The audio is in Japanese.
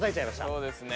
そうですね。